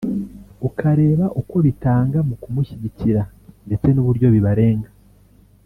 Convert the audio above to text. ukareba uko bitanga mu kumushyigikira ndetse n’uburyo bibarenga